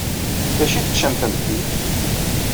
D acu ay teččam tameddit?